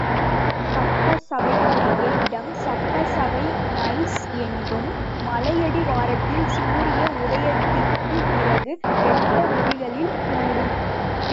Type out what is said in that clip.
சட்டசபைக்குரிய இடம் சட்டசபை நைஸ் என்னும் மலையடி வாரத்தில் சூரிய உதயத்திற்குப் பிறகு வெட்ட வெளிகளில் கூடும்.